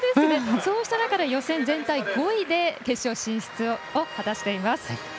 こうした中で予選全体５位で決勝進出を果たしています。